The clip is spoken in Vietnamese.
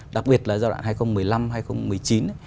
đặc biệt là giai đoạn hai nghìn một mươi năm hai nghìn một mươi chín